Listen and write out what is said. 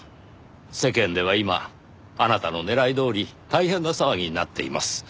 世間では今あなたの狙いどおり大変な騒ぎになっています。